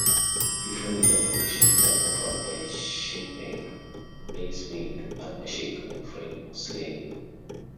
Different interpretations are offered by Shane Mage, Murray Smith, Anwar Shaikh and Fred Moseley.